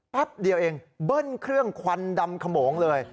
แป๊บเดียวเองเบิ้ลเครื่องควันดำขโมงเลย